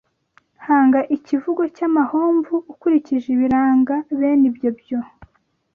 Hanga ikivugo cy’amahomvu ukurikije ibiranga bene ibyo byo